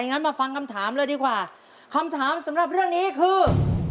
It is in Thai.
งั้นมาฟังคำถามเลยดีกว่าคำถามสำหรับเรื่องนี้คือ